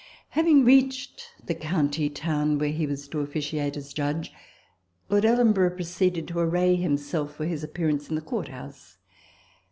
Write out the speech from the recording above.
Having reached the county town where he was to officiate as judge, Lord Ellenborough proceeded to array himself for his appearance in the court house.